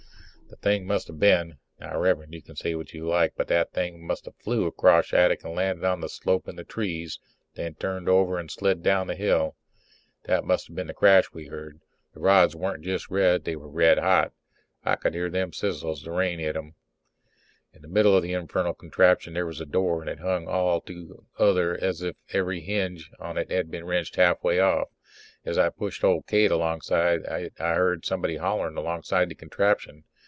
The thing must have been now, Rev'rend, you can say what you like but that thing must have flew across Shattuck and landed on the slope in the trees, then turned over and slid down the hill. That must have been the crash we heard. The rods weren't just red, they were red hot. I could hear them sizzle as the rain hit 'em. In the middle of the infernal contraption there was a door, and it hung all to other as if every hinge on it had been wrenched halfway off. As I pushed old Kate alongside it I heared somebody hollering alongside the contraption.